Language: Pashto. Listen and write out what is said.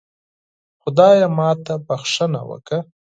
خدایا ماته بښنه وکړه